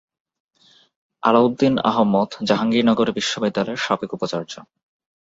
আলাউদ্দিন আহম্মদ জাহাঙ্গীরনগর বিশ্ববিদ্যালয়ের সাবেক উপাচার্য।